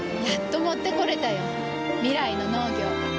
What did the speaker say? やっと持ってこれたよ。未来の農業。